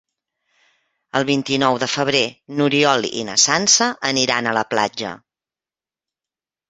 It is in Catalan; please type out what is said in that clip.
El vint-i-nou de febrer n'Oriol i na Sança aniran a la platja.